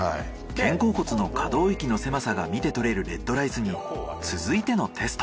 肩甲骨の可動域の狭さが見てとれるＲＥＤＲＩＣＥに続いてのテスト。